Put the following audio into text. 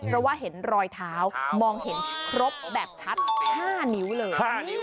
เพราะว่าเห็นรอยเท้ามองเห็นครบแบบชัด๕นิ้วเลย